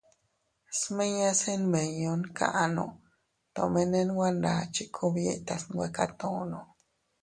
Smiñase nmiñon kaʼanu tomene nwe ndachi kub yitas nwe katunno.